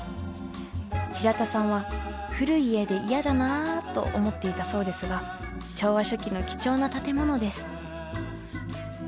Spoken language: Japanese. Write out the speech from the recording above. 平田さんは古い家で嫌だなあと思っていたそうですが昭和初期の貴重な建物です。